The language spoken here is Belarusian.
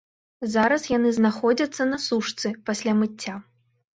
Зараз яны знаходзяцца на сушцы, пасля мыцця.